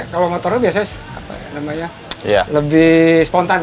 kalau motornya biasanya lebih spontan